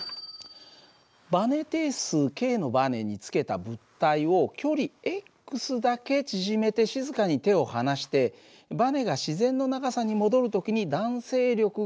バネ定数ｋのバネにつけた物体を距離だけ縮めて静かに手を離してバネが自然の長さに戻る時に弾性力がする仕事を考えてみよう。